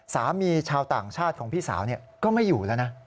ชาวต่างชาติของพี่สาวก็ไม่อยู่แล้วนะ